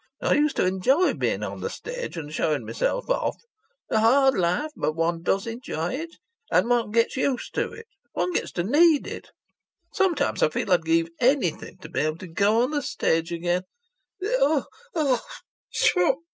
I used to enjoy being on the stage and showing myself off. A hard life, but one does enjoy it. And one gets used to it. One gets to need it. Sometimes I feel I'd give anything to be able to go on the stage again Oh oh